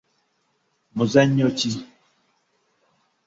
Muzannyo ki?.